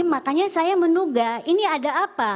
makanya saya menduga ini ada apa